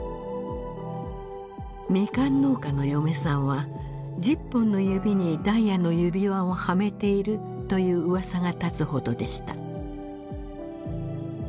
「ミカン農家の嫁さんは１０本の指にダイヤの指輪をはめている」といううわさが立つほどでした。